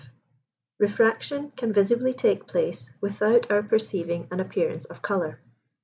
Refraction can visibly take place without our perceiving an appearance of colour.